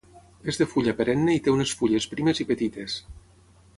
És de fulla perenne i té unes fulles primes i petites